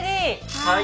はい。